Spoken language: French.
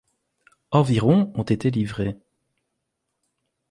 Environ ont été livrées.